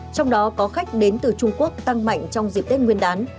trong đó có khách đến từ trung quốc tăng mạnh trong dịp tết nguyên đán